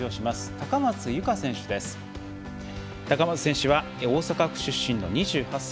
高松選手は大阪府出身の２８歳。